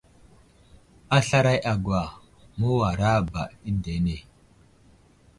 A slaray a gwa, məwara ba əndene.